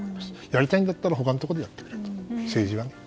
やりたいんだったら他のところでやってくれと、政治はね。